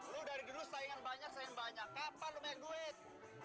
lu dari dulu saingan banyak saing banyak kapan lo main duit